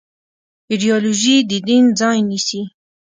ایدیالوژي د دین ځای نيسي.